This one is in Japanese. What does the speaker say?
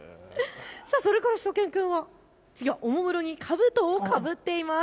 それからしゅと犬くんはおもむろにかぶとをかぶっています。